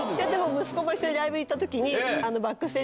息子も一緒にライブ行った時に。